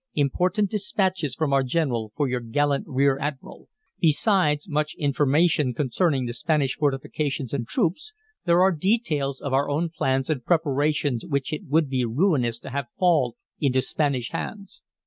"Important dispatches from our general for your gallant rear admiral. Besides much information concerning the Spanish fortifications and troops, there are details of our own plans and preparations which it would be ruinous to have fall into Spanish hands."